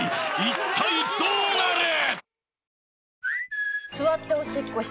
一体どうなる！？